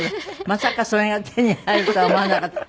まさかそれが手に入るとは思わなかった。